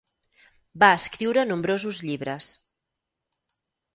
Va escriure nombrosos llibres.